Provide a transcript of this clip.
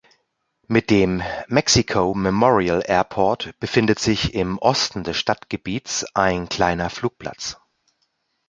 Mit dem "Mexico Memorial Airport" befindet sich im Osten des Stadtgebiets ein kleiner Flugplatz.